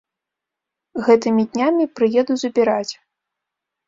Гэтымі днямі прыеду забіраць.